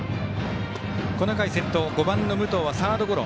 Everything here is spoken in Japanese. この回、先頭５番の武藤はサードゴロ。